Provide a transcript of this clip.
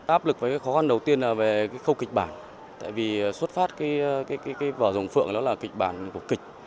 áp lực với khó khăn đầu tiên là về khâu kịch bản tại vì xuất phát vở rồng phượng là kịch bản của kịch